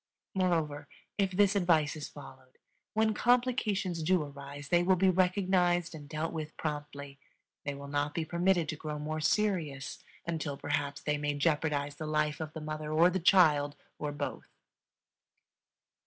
Moreover, if this advice is followed, when complications do arise they will be recognized and dealt with promptly; they will not be permitted to grow more serious until, perhaps, they may jeopardize the life of the mother or the child or both.